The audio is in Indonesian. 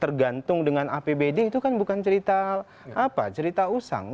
tergantung dengan apbd itu kan bukan cerita usang